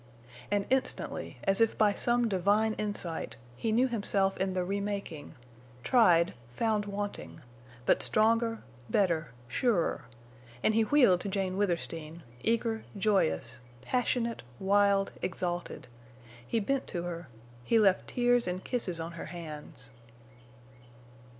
And instantly, as if by some divine insight, he knew himself in the remaking—tried, found wanting; but stronger, better, surer—and he wheeled to Jane Withersteen, eager, joyous, passionate, wild, exalted. He bent to her; he left tears and kisses on her hands.